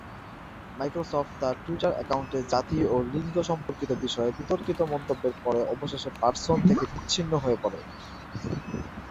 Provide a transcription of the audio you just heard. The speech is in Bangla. মাইক্রোসফট তার টুইটার অ্যাকাউন্টে জাতি এবং লিঙ্গ সম্পর্কিত বিষয়ে বিতর্কিত মন্তব্যের পরে অবশেষে পারসন থেকে বিচ্ছিন্ন হয়ে পড়ে।